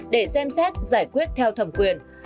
để xem xét giải quyết theo thẩm quyền